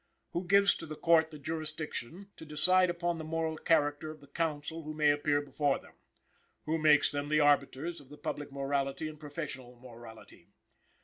Who gives to the Court the jurisdiction to decide upon the moral character of the counsel who may appear before them? Who makes them the arbiters of the public morality and professional morality?